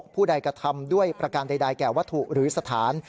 ผู้ใดกระทำด้วยประการใดแก่วัตถุหรือสถาน